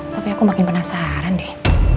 tapi aku makin penasaran deh